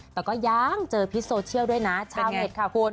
แต่ก็ยังเจอพิษโซเชียลด้วยนะชาวเน็ตค่ะคุณ